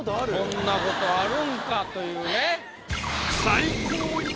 こんなことあるんかというね。